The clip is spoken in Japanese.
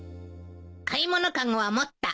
買い物籠は持った。